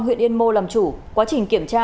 huyện yên mô làm chủ quá trình kiểm tra